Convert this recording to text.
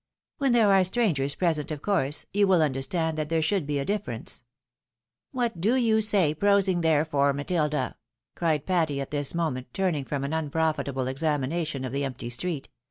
When there are strangers present, of course, you will understand that there should be a difference." "What do you stay prosing there for, Matilda?" cried Patty at this moment, turning from an unprofitable examina tion of the empty street.